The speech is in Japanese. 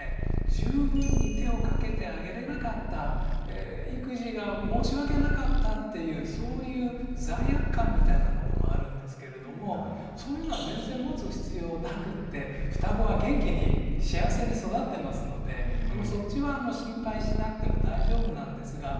十分に手をかけてあげれなかった育児が申し訳なかったっていうそういう罪悪感みたいなものもあるんですけれどもふたごは元気に幸せに育ってますのでそっちは心配しなくても大丈夫なんですが。